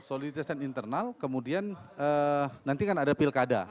soliditas dan internal kemudian nanti kan ada pilkada